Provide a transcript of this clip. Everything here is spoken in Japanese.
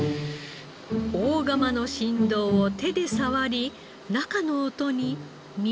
大釜の振動を手で触り中の音に耳を傾けます。